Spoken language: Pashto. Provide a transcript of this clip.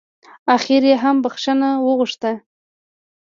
اخر يې هم بښنه وغوښته.